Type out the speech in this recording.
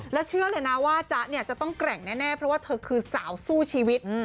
แล้วเชื่อเลยนะว่าจ๊ะเนี่ยจะต้องแกร่งแน่เพราะว่าเธอคือสาวสู้ชีวิต